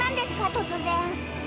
突然。